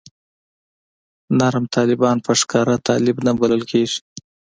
نرم طالبان په ښکاره طالب نه بلل کېږي.